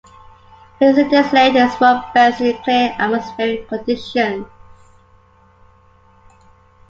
Laser designators work best in clear atmospheric conditions.